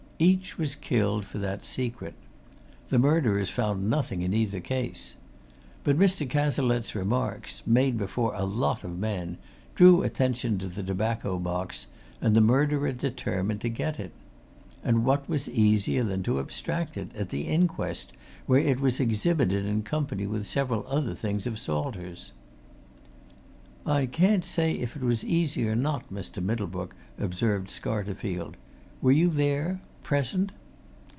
Each was killed for that secret. The murderers found nothing, in either case. But Mr. Cazalette's remarks, made before a lot of men, drew attention to the tobacco box, and the murderer determined to get it. And what was easier than to abstract it, at the inquest, where it was exhibited in company with several other things of Salter's?" "I can't say if it was easy or not, Mr. Middlebrook," observed Scarterfield. "Were you there present?"